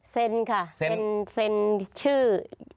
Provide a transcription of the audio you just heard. เซ็นค่ะเซ็นชื่อ